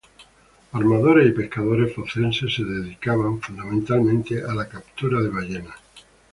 Armadores y pescadores focenses se dedicaban, fundamentalmente, a la captura de ballenas.